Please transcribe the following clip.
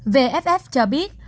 vff cho biết